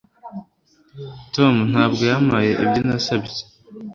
Tom ntabwo yampaye ibyo nasabye